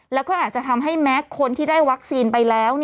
แล้วก็อาจจะทำให้แม้คนที่ได้วัคซีนไปแล้ว